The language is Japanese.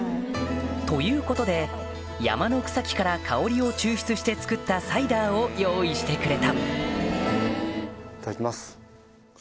ということで山の草木から香りを抽出して作ったサイダーを用意してくれたいただきます。